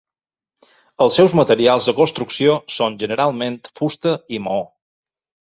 Els seus materials de construcció són generalment fusta i maó.